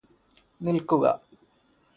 നിൽക്കുക